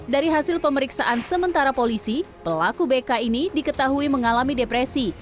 dari hasil pemeriksaan sementara polisi pelaku bk ini diketahui mengalami depresi